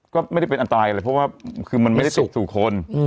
ก็ไม่ได้เป็นอันตรายอะไรเพราะว่าคือมันไม่ได้ตกสู่คน